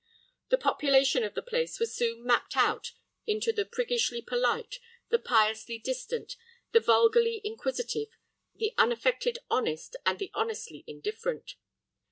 The population of the place was soon mapped out into the priggishly polite, the piously distant, the vulgarly inquisitive, the unaffected honest, and the honestly indifferent.